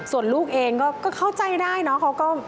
ส่วนลูกเองก็เข้าใจได้เนาะ